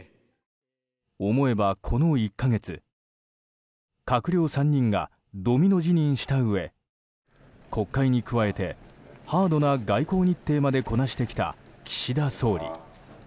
思えば、この１か月閣僚３人がドミノ辞任したうえ国会に加えてハードな外交日程までこなしてきた岸田総理。